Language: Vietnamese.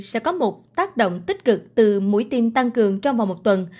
sẽ có một tác động tích cực từ mũi tiêm tăng cường trong vòng một tuần